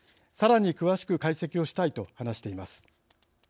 さらに詳しく解析をしたい」と話しています。